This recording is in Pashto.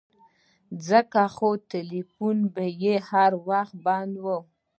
ځکه خو ټيلفون به يې هر وخت بند و.